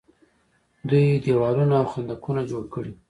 دوی دیوالونه او خندقونه جوړ کړي.